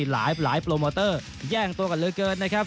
หลายโปรโมเตอร์แย่งตัวกันเหลือเกินนะครับ